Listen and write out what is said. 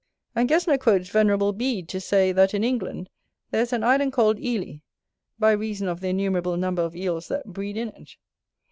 And Gesner quotes Venerable Bede, to say, that in England there is an island called Ely, by reason of the innumerable number of Eels that breed in it.